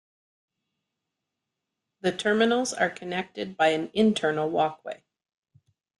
The terminals are connected by an internal walkway.